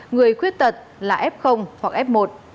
người khuyết tật là f hoặc f một